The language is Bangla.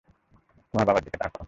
তোমার বাবার দিকে তাকাও।